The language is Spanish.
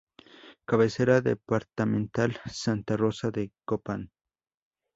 Cabecera Departamental, Santa Rosa de Copán.